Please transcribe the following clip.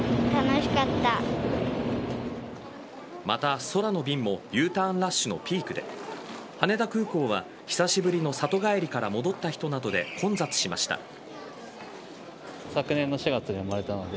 また、空の便もＵターンラッシュのピークで羽田空港は久しぶりの里帰りから戻った人などで混雑しました。